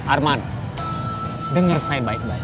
arman dengar saya baik baik